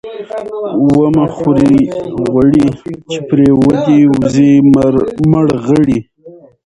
ـ ومه خورئ غوړي ،چې پرې ودې وځي مړغړي.